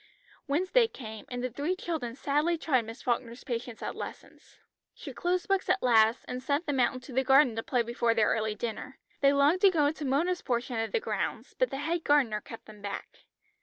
Wednesday came, and the three children sadly tried Miss Falkner's patience at lessons. She closed books at last, and sent them out into the garden to play before their early dinner. They longed to go into Mona's portion of the grounds, but the head gardener kept them back.